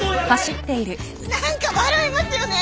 何か笑えますよね。